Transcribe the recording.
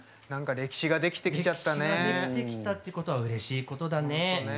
歴史ができてきたっていうことはうれしいことだね。